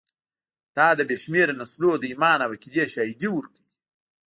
دا د بې شمېره نسلونو د ایمان او عقیدې شاهدي ورکوي.